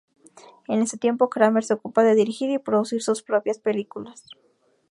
En este tiempo, Kramer se ocupa de dirigir y producir sus propias películas.